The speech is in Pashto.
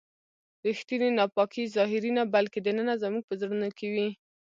ریښتینې ناپاکي ظاهري نه بلکې دننه زموږ په زړونو کې وي.